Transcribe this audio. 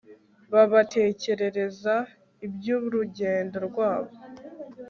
babatekerereza iby'urugendo rwabo